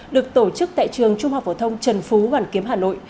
được tổ chức tại trường trung học phổ thông trần phú hoàn kiếm hà nội